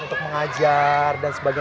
untuk mengajar dan sebagainya